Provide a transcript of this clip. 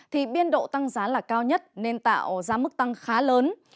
thì biên độ tăng giá là cao nhất nên tạo ra mức tăng khá lớn